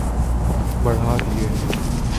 بڑھا دیے ہیں